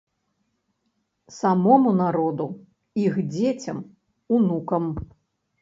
Самому народу, іх дзецям, унукам.